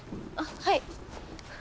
はい。